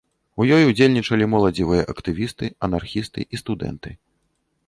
У ёй удзельнічалі моладзевыя актывісты, анархісты і студэнты.